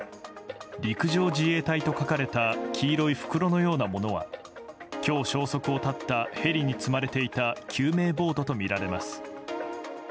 陸上自衛隊と書かれた黄色い袋のようなものは今日、消息を絶ったヘリに積まれていた救命ボートとみられます。